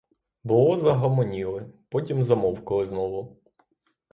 Було загомоніли, потім замовкли знову.